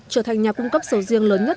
trở thành nhà cung cấp sầu riêng lớn nhất